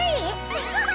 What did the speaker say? アッハハ！